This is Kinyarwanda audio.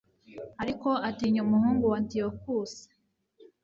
ariko atinya umuhungu wa antiyokusi